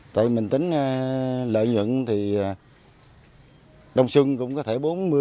tại mình tính lợi nhận thì đông xuân cũng có thể bốn mươi